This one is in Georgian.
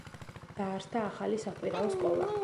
დაარსდა ახალი საკვირაო სკოლა.